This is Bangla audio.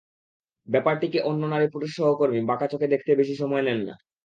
ব্যাপারটিকে অন্য নারী-পুরুষ সহকর্মী বাঁকা চোখে দেখতে বেশি সময় নেন না।